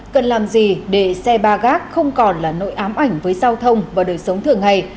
cần làm gì để xe ba gác không còn là nỗi ám ảnh với giao thông và đời sống thường ngày